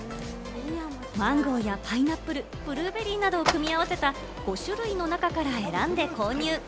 マンゴーやパイナップル、ブルーベリーなどを組み合わせた５種類の中から選んで購入。